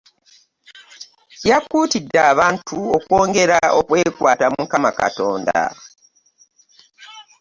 Yakuutidde abantu okwongera okwekwata Mukama Katonda